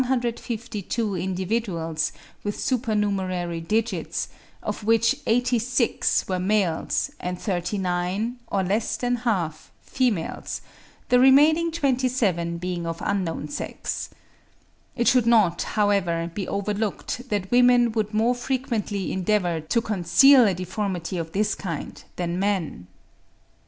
9.) has tabulated the cases of 152 individuals with supernumerary digits, of which 86 were males, and 39, or less than half, females, the remaining 27 being of unknown sex. It should not, however, be overlooked that women would more frequently endeavour to conceal a deformity of this kind than men.